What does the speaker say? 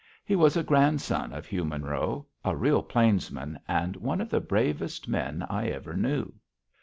He was a grandson of Hugh Monroe, a real plainsman, and one of the bravest men I ever knew.